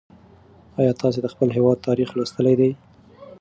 ایا تاسې د خپل هېواد تاریخ لوستلی دی؟